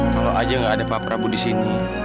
kalau aja nggak ada pak prabu di sini